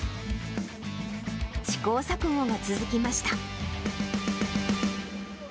試行錯誤が続きました。